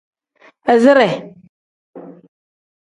Izire.